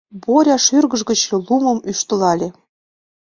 Боря шӱргыж гыч лумым ӱштылале.